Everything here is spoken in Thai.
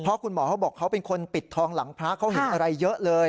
เพราะคุณหมอเขาบอกเขาเป็นคนปิดทองหลังพระเขาเห็นอะไรเยอะเลย